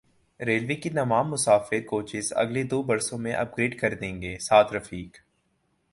railway کی تمام مسافر کوچز اگلے دو برسوں میں اپ گریڈ کر دیں گے سعد رفیق